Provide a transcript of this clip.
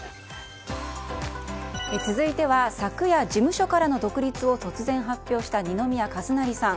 続いては、昨夜事務所からの独立を突然発表した二宮和也さん。